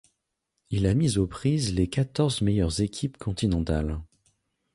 Il a mis aux prises les quatorze meilleures équipes continentales.